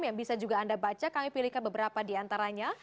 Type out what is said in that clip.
yang bisa juga anda baca kami pilihkan beberapa di antaranya